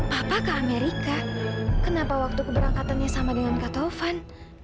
papa ke amerika kenapa waktu keberangkatannya sama dengan kataovan